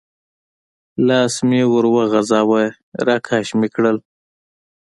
لاس مې ور وغځاوه، را کش مې کړل.